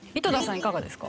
いかがですか？